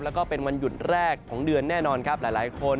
แล้วก็เป็นวันหยุดแรกของเดือนแน่นอนครับหลายคน